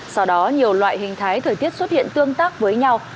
sau đó nhiều loại hình thái thời tiết xuất hiện tương tác với nhau